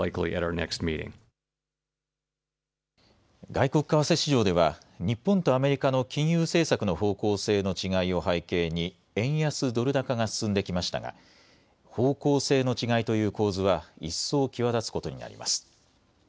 外国為替市場では日本とアメリカの金融政策の方向性の違いを背景に円安ドル高が進んできましたが方向性の違いという構図は一層際立つことになります。